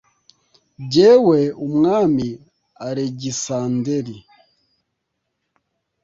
jyewe umwami alegisanderi